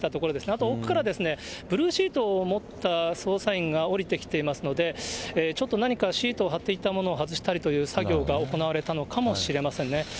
あと奥からですね、ブルーシートを持った捜査員がおりてきていますので、ちょっと何かシートを張っていたものを外したりという作業が行われたのかもしれませんね。